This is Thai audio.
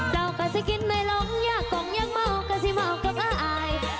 เราก็สิกินไม่ลงยากกล่องยังเมาก็สิเมากับอาย